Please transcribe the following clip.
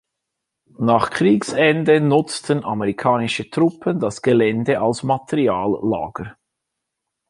Nach Kriegsende nutzten amerikanische Truppen das Gelände als Materiallager.